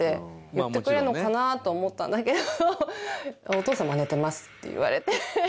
「お父様は寝てます」って言われて。